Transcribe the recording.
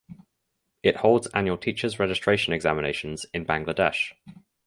It holds annual Teachers Registration Examinations in Bangladesh.